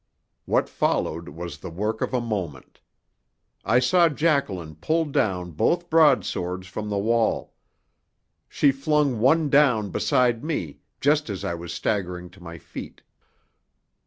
What followed was the work of a moment. I saw Jacqueline pull down both broadswords from the wall. She flung one down beside me just as I was staggering to my feet.